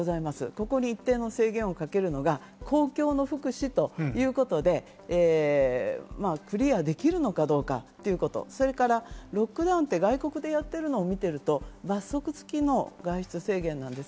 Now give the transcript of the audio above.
ここに一定の制限をかけるのは公共の福祉ということでクリアできるのかどうかということ、それからロックダウンって外国でやっているのを見ていると罰則つきの外出制限です。